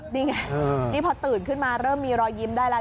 นี่ไงนี่พอตื่นขึ้นมาเริ่มมีรอยยิ้มได้แล้ว